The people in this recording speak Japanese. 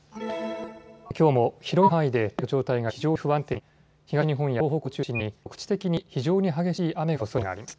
きょうも広い範囲で大気の状態が非常に不安定になり東日本や東北を中心に局地的に非常に激しい雨が降るおそれがあります。